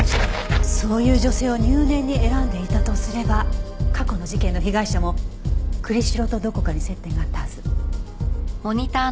そういう女性を入念に選んでいたとすれば過去の事件の被害者も栗城とどこかに接点があったはず。